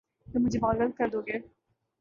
تم مجھے پاگل کر دو گے